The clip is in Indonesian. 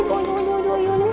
aduh aduh aduh aduh